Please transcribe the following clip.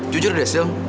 jujur deh sil